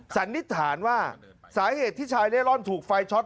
สันนิษฐานว่าสาเหตุที่ชายเล่ร่อนถูกไฟช็อต